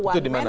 itu dimana bu